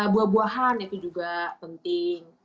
buah buahan itu juga penting